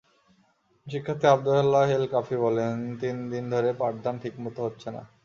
শিক্ষার্থী আবদুল্লাহেল কাফি বলে, তিন দিন ধরে পাঠদান ঠিকমতো হচ্ছে না।